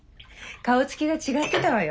顔つきが違ってたわよ。